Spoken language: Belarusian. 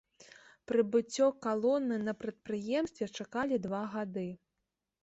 Прыбыццё калоны на прадпрыемстве чакалі два гады.